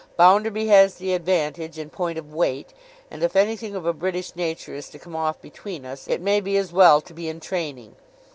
'Bounderby has the advantage in point of weight; and if anything of a British nature is to come off between us, it may be as well to be in training.